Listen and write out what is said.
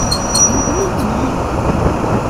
D nekkni ay ken-yifen.